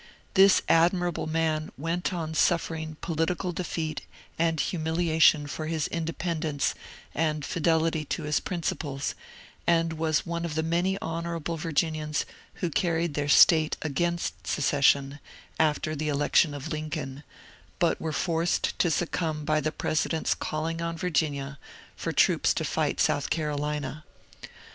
This ad mirable man went on suffering political defeat and humilia tion for his independence and fidelity to his principles, and was one of the many honourable Virginians who carried their State against secession, after the election of Lincoln, but were forced to succumb by the President's calling on Virginia for troops to fight South Carolina.